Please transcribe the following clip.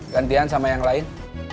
gantian sama yang lain